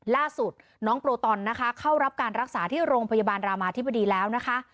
ล่าสุดน้องโปรตอนนะคะเข้ารับการรักษาที่โรงพยาบาลรามาธิบดีแล้วนะคะ